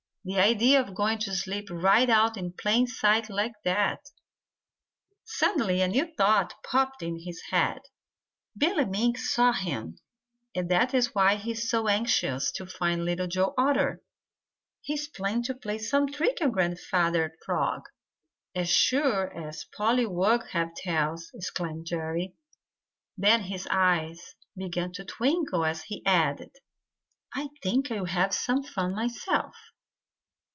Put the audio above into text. The idea of going to sleep right out in plain sight like that!" Suddenly a new thought popped into his head. "Billy Mink saw him, and that is why he is so anxious to find Little Joe Otter. He is planning to play some trick on Grandfather Frog as sure as pollywogs have tails!" exclaimed Jerry. Then his eyes began to twinkle as he added: "I think I'll have some fun myself."